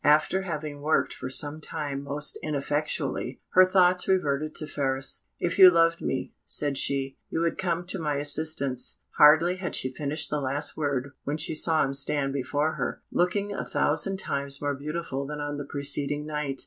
After having worked for some time most ineffectually, her thoughts reverted to Phratis. "If you loved me," said she, "you would come to my assistance." Hardly had she finished the last word when she saw him stand before her, looking a thousand times more beautiful than on the preceding night.